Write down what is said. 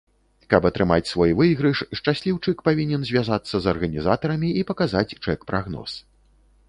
Каб атрымаць свой выйгрыш, шчасліўчык павінен звязацца з арганізатарамі і паказаць чэк-прагноз.